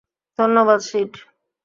ধন্যবাদ, সিড।